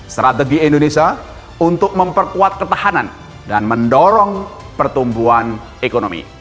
strategi indonesia untuk memperkuat ketahanan dan mendorong pertumbuhan ekonomi